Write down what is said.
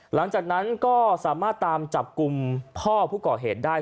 หลังจากนั้นก็สามารถตามจับกลุ่มพ่อผู้ก่อเหตุได้